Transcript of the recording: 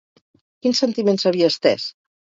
Quin sentiment s'havia estès?